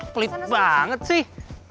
pelit banget sih